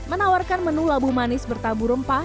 menawarkan menu labu manis bertabur rempah